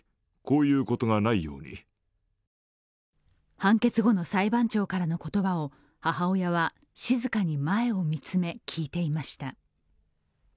判決後の裁判長からの言葉を母親は静かに前を見つめ、聞いていました。